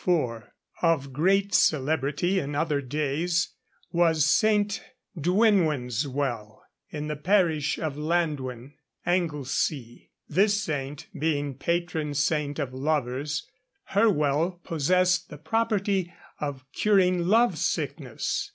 Of great celebrity in other days was St. Dwynwen's well, in the parish of Llandwyn, Anglesea. This saint being patron saint of lovers, her well possessed the property of curing love sickness.